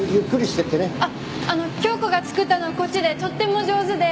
あっ京子が作ったのはこっちでとっても上手で。